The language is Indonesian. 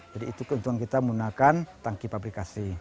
jadi itu keuntungan kita menggunakan tangki pabrikasi